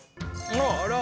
あら！